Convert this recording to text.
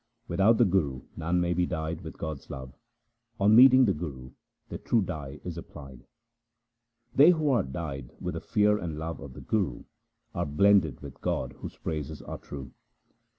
Without the Guru none may be dyed with God's love ; on meeting the Guru the true dye is applied. They who are dyed with the fear and love of the Guru, are blended with God whose praises are true.